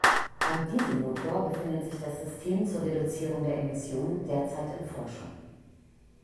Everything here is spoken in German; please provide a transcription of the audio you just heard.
Beim Dieselmotor befindet sich das System zur Reduzierung der Emissionen derzeit in Forschung.